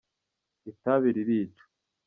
itabi ririca.